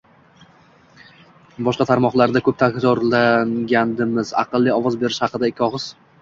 Bo'shqa tarmoqlarida kop takrorlangandimiz - aqlli ovoz berish haqida ikki oƣiz